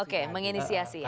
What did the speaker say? oke menginisiasi ya